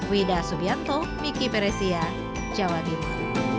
wida subianto miki peresia jawa timur